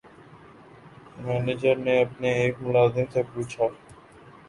manager نے اپنے ایک ملازم سے پوچھا